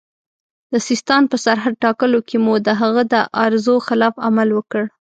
د سیستان په سرحد ټاکلو کې مو د هغه د ارزو خلاف عمل وکړ.